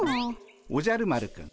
おじゃる丸くん